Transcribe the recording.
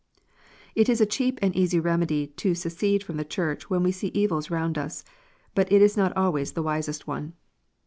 It is a cheap and easy remedy to secede from a Church when we see evils round us, but it is not always the wisest one.